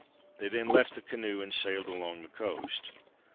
They then left the canoe and sailed along the coast.